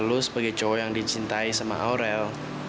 lu sebagai cowok yang dicintai sama aurel